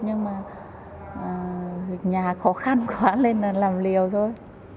nhưng mà nhà khó khăn quá nên là làm liều thôi